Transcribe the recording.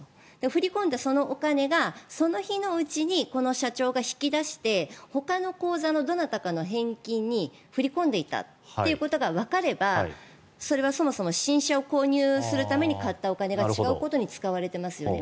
振り込んだそのお金がその日のうちにこの社長が引き出してほかの口座のどなたかの返金に振り込んでいたということがわかればそれはそもそも新車を購入するために使った買ったお金が違うことに使われますよね。